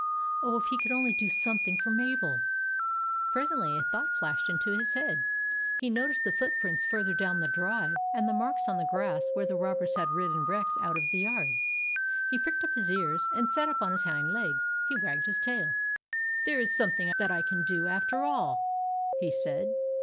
Oh, if he could only do some thing for Mabel ! Presently a thought flashed into his head. He noticed the foot prints further down the drive, and the marks on the grass where the robbers had ridden Rex out of the yard. He pricked up his ears and sat up on his hind legs. He wagged his tail. " There is something that I can do, after all !" he said.